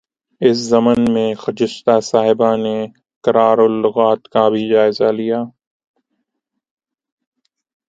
اس ضمن میں خجستہ صاحبہ نے قرار اللغات کا بھی جائزہ لیا